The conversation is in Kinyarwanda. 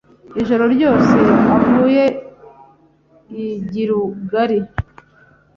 ijoro ryose avuye i Gilugali